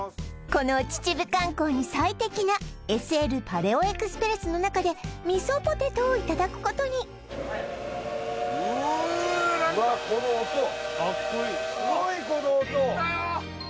この秩父観光に最適なＳＬパレオエクスプレスの中でみそポテトをいただくことにわっこの音かっこいいいったよ！